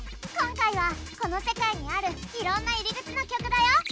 今回はこの世界にあるいろんな入り口の曲だよ。